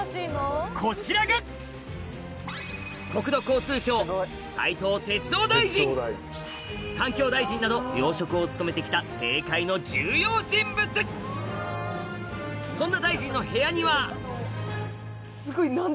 こちらが環境大臣など要職を務めてきたそんな大臣の部屋にはすごい。